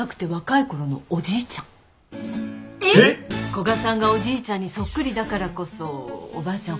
古賀さんがおじいちゃんにそっくりだからこそおばあちゃん